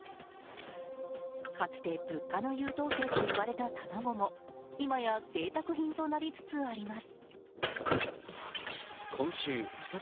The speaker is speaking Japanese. かつて、物価の優等生といわれた卵も今やぜいたく品となりつつあります。